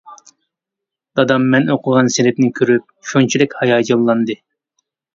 دادام مەن ئوقۇغان سىنىپنى كۆرۈپ شۇنچىلىك ھاياجانلاندى.